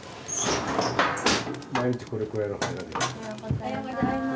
おはようございます。